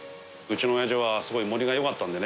うちのおやじはすごい盛りがよかったんでね。